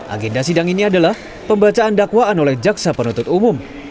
agenda sidang ini adalah pembacaan dakwaan oleh jaksa penuntut umum